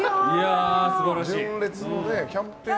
純烈のキャンペーン？